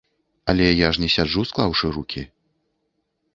Але я ж не сяджу, склаўшы рукі.